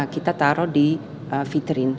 kita taruh di vitrin